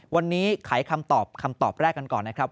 วันนี้ขายคำตอบคำตอบแรกกันก่อนนะครับ